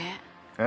え？